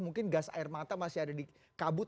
mungkin gas air mata masih ada di kabut